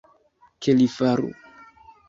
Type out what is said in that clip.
Ke li faru.